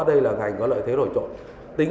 hiện chỉ trên năm